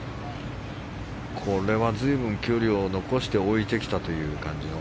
これは随分距離を残して置いてきたという感じの。